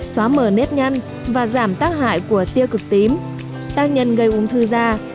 xóa mở nét nhăn và giảm tác hại của tiêu cực tím tác nhân gây ung thư da